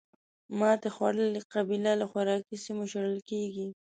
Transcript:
ماتې خوړلې قبیله له خوراکي سیمو شړل کېږي.